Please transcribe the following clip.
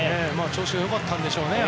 調子がよかったんでしょうね。